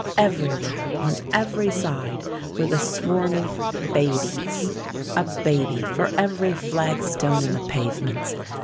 Everywhere, on every side, were the swarming babies a baby for every flag stone in the pavements.